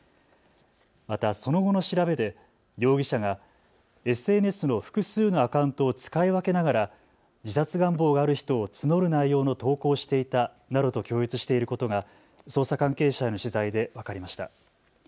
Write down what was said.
また、その後の調べで容疑者がＳＮＳの複数のアカウントを使い分けながら自殺願望がある人を募る内容の投稿をしていたなどと供述していることが捜査関係者への取材で分かりました。